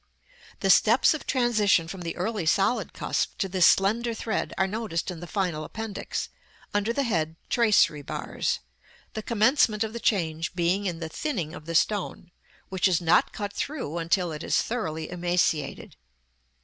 The steps of transition from the early solid cusp to this slender thread are noticed in the final Appendix, under the head "Tracery Bars;" the commencement of the change being in the thinning of the stone, which is not cut through until it is thoroughly emaciated.